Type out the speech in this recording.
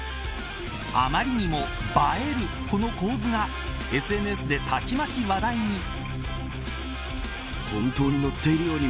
あまりにも映えるこの構図が、ＳＮＳでたちまち話題に。